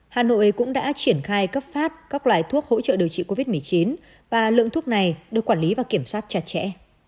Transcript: hà nội cũng đã triển khai cấp phát các loại thuốc hỗ trợ điều trị covid một mươi chín và lượng thuốc này được quản lý và kiểm soát chặt chẽ